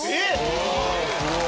おすごい。